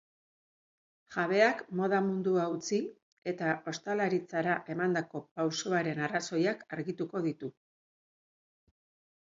Jabeak moda mundua utzi eta ostalaritzara emandako pausoaren arrazoiak argituko ditu.